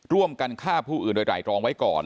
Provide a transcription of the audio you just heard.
ร่วมกันฆ่าผู้อื่นโดยไหร่ตรองไว้ก่อน